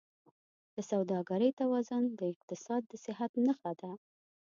د سوداګرۍ توازن د اقتصاد د صحت نښه ده.